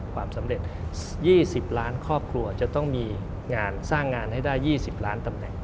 ความสำเร็จ๒๐ล้านครอบครัวจะต้องมีงานสร้างงานให้ได้๒๐ล้านตำแหน่ง